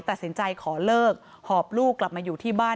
ตัดสินใจขอเลิกหอบลูกกลับมาอยู่ที่บ้าน